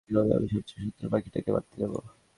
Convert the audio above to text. কিভাবে আমি সবচেয়ে সুন্দর পাখিটাকে মারতে যাবো?